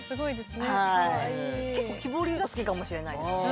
結構木彫りが好きかもしれないですね。